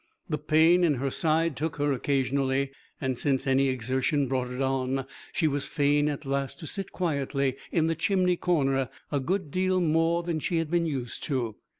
The pain in her side took her occasionally, and since any exertion brought it on she was fain at last to sit quietly in the chimney corner a good deal more than she had been used to.